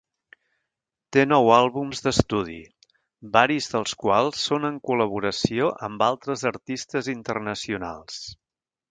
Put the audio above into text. Té nou àlbums d'estudi, varis dels quals són en col·laboració amb altres artistes internacionals.